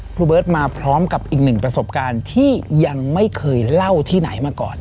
เบิร์ตมาพร้อมกับอีกหนึ่งประสบการณ์ที่ยังไม่เคยเล่าที่ไหนมาก่อน